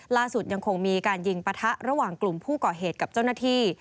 ล่าสุดยังคงมีการยิงปะทะระหว่างกลุ่มผู้ก่อเหตุกับเจ้าหน้าที่